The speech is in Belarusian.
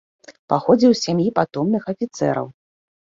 Паходзіў з сям'і патомных афіцэраў.